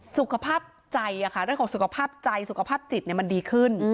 สุขภาพใจเรื่องของสุขภาพใจสุขภาพจิตมันดีขึ้น